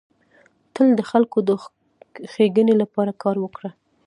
تل د خلکو د ښيګڼي لپاره کار وکړه.